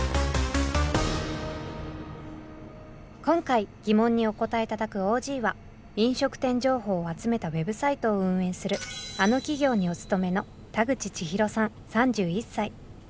今回ギモンにお答えいただくＯＧは飲食店情報を集めたウェブサイトを運営するあの企業にお勤めの田口千裕さん３１歳。